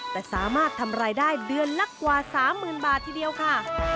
แต่สามารถทำรายได้เดือนละกว่า๓๐๐๐บาททีเดียวค่ะ